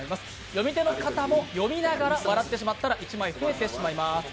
読み手の方も読みながら笑ってしまったら１枚増えてしまいます。